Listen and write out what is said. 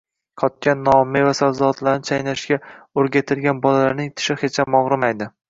Qotgan non, meva-sabzavotlarni chaynashga o‘rgatilgan bolalarning tishi hecham og‘rimaydi.